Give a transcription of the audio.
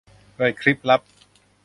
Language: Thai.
เปิดคลิปลับ